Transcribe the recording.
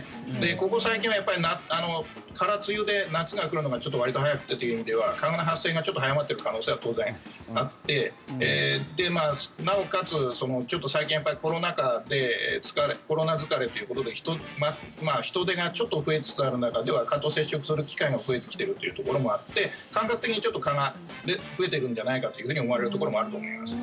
ここ最近は空梅雨で夏が来るのがわりと早くてという意味では蚊の発生がちょっと早まってる可能性は当然あってなおかつ、最近コロナ疲れということで人出がちょっと増えつつある中では蚊と接触する機会も増えてきてるというところもあって感覚的に、ちょっと蚊が増えてるんじゃないかと思われるところもあると思います。